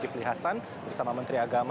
baik lih hasan bersama menteri agama